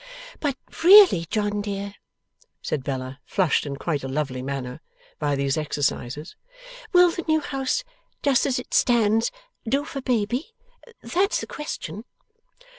'But really, John dear,' said Bella, flushed in quite a lovely manner by these exercises, 'will the new house, just as it stands, do for baby? That's the question.